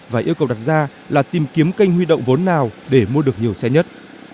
và yêu cầu đặt ra là tìm kiếm kênh huy động vốn nào để mua được nhiều xe nhất